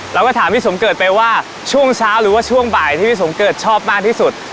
เราก็ถามพี่สมเกิดไปว่าช่วงเช้าหรือว่าช่วงบ่ายที่พี่สมเกิดชอบมากที่สุด